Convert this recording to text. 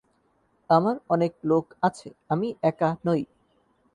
আমার অনেক লোক আছে, আমি একা নই।